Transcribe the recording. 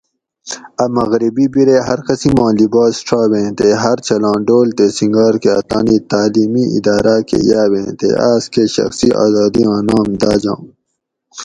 اۤ مغربی بِیرے ہر قسیماں لباس ڛابیں تے ہر چھلاں ڈول تے سنگار کاۤ تانی تعلیمی اِداۤراۤ کہ یاۤبیں تے آۤس کہ شخصی آذادی آں نام داۤجاں